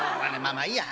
まあいいや。